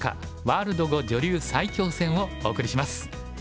ワールド碁女流最強戦」をお送りします。